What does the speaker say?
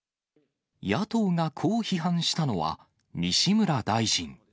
野党がこう批判したのは、西村大臣。